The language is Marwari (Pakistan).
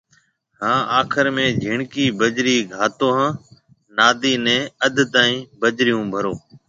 هان آخر ۾ جھيَََڻڪِي بجرِي گھاتو هان نادي نيَ اڌ تائين بجرِي هو ڀرو